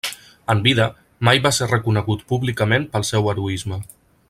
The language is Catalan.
En vida, mai va ser reconegut públicament pel seu heroisme.